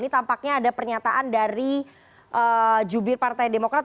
ini tampaknya ada pernyataan dari jubir partai demokrat